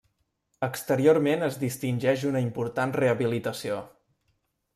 Exteriorment es distingeix una important rehabilitació.